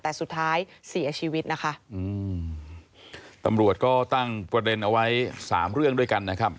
แต่สุดท้ายเสียชีวิตนะคะอืมตำรวจก็ตั้งประเด็นเอาไว้สามเรื่องด้วยกันนะครับ